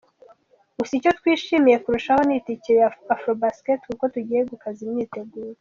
Gusa icyo twishimiye kurushaho ni itike ya AfroBasket kuko tugiye gukaza imyiteguro.